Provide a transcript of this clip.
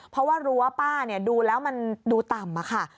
เพราะว่ารั้วป้าดูแล้วมันดูต่ำค่ะ